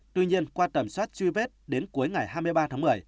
tuy nhiên qua tầm soát truy vết đến cuối ngày hai mươi ba tháng một mươi